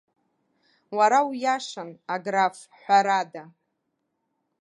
Уара уиашан, аграф, ҳәарада.